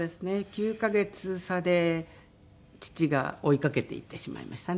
９カ月差で父が追いかけていってしまいましたね。